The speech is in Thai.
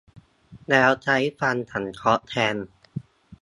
แล้วใช้ฟันสังเคราะห์แทน